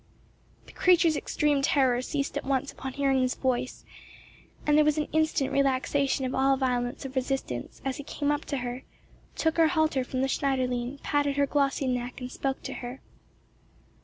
The creature's extreme terror ceased at once upon hearing his voice, and there was an instant relaxation of all violence of resistance as he came up to her, took her halter from the Schneiderlein, patted her glossy neck, and spoke to her.